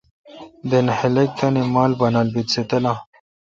دینگ خلق تانی مال بانال بیت سہ تلاں۔